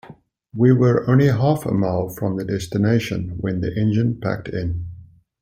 We were only half a mile from the destination when the engine packed in.